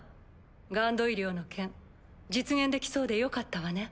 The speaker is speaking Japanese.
ＧＵＮＤ医療の件実現できそうでよかったわね。